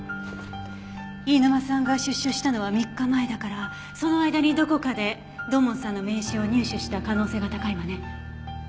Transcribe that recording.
飯沼さんが出所したのは３日前だからその間にどこかで土門さんの名刺を入手した可能性が高いわね。